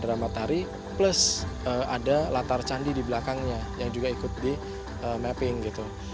ada matahari plus ada latar candi di belakangnya yang juga ikut di mapping gitu